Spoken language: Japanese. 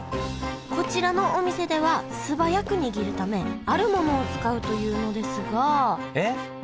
こちらのお店では素早く握るためあるものを使うというのですが何だと思いますか？